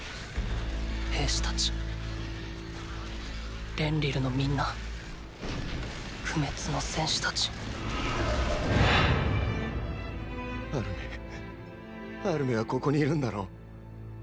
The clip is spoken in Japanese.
兵士たちレンリルのみんな不滅の戦士たちアルメアルメはここにいるんだろう？